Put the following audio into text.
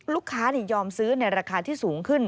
ลูกค้ายอมซื้อในราคาที่สูงขึ้น